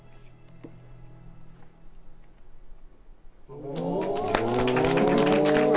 お！